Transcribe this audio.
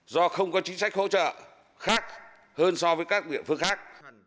do không có chính sách hỗ trợ khác hơn so với các địa phương khác